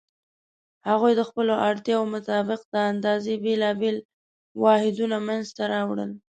هغوی د خپلو اړتیاوو مطابق د اندازې بېلابېل واحدونه منځته راوړل.